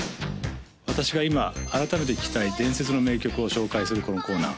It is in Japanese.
私が今改めて聴きたい伝説の名曲を紹介するこのコーナー